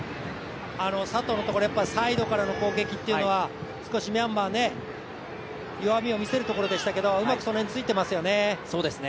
佐藤のところサイドからの攻撃っていうのは少しミャンマー弱みを見せるところでしたけどうまく、それについてますよね。